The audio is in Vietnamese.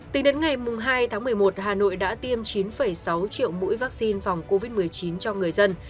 tính đến ngày hai tháng một mươi một hà nội đã tiêm chín sáu triệu mũi vaccine phòng covid một mươi chín cho người dân